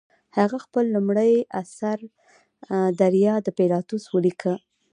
هغه خپل لومړی اثر دریا د پیلاتوس ولیکه.